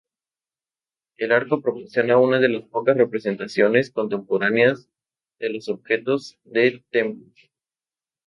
El arco proporciona una de las pocas representaciones contemporáneas de los objetos del Templo.